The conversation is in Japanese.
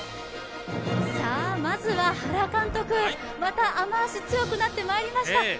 まずは原監督、また雨足強くなってまいりました。